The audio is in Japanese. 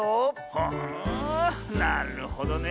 はあなるほどね。